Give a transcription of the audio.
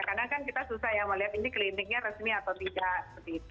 karena kan kita susah ya melihat ini kliniknya resmi atau tidak